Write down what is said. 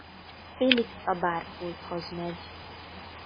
Félix a bárpulthoz megy.